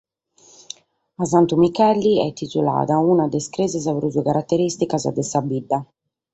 A Santu Micheli est titulada una de sa crèsia prus caraterìsticas de sa bidda.